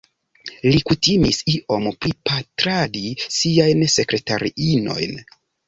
Li kutimis iom pripatradi siajn sekretariinojn.